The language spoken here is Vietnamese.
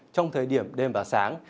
trong thời điểm đêm và sáng